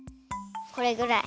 これぐらい。